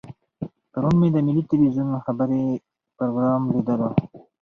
پرون مې د ملي ټلویزیون خبري پروګرام لیدلو.